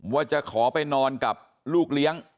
ว่าจะขอไปนอนกับลูกเลี้ยง